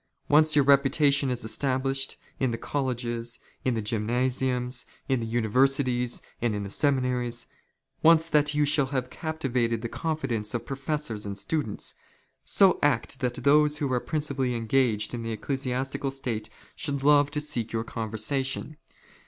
Once your reputation is established in the u ii t( (I 70 WAR OF ANTICHRIST WITH THE CHURCH. " colleges, in the gymnasiuras, in the universities, and in the "seminaries — once that you shall have captivated the confidence of " professors and students, so act that those who are principally " engaged in the ecclesiastical state should love to seek your " conversation.